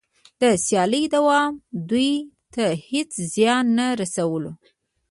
د سیالۍ دوام دوی ته هېڅ زیان نه رسولو